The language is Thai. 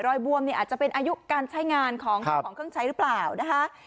บวมเนี่ยอาจจะเป็นอายุการใช้งานของเครื่องใช้หรือเปล่านะคะ